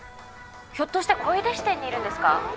ひょっとして小井手支店にいるんですか？